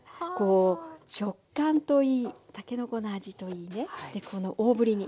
食感といいたけのこの味といいねでこの大ぶりに。